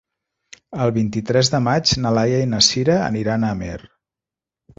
El vint-i-tres de maig na Laia i na Sira aniran a Amer.